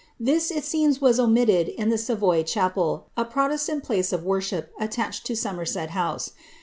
This it seems was omitted in the Savoy chapel, a protestant place of worship attached to Somerset House.